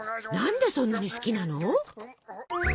何でそんなに好きなの？